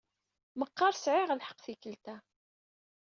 Meqqar sɛiɣ lḥeqq tikkelt-a.